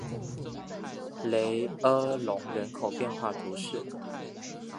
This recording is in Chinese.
雷阿隆人口变化图示